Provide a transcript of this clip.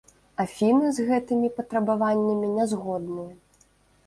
Афіны з гэтымі патрабаваннямі не згодныя.